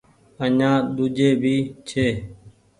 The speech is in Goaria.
آڃآن ۮوجهي ڀي ڇي ۔